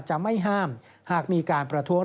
จะไม่ห้ามหากมีการประท้วง